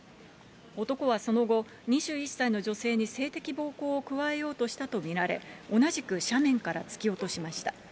男はその後、２１歳の女性に性的暴行を加えようとしたと見られ、同じく斜面から突き落としました。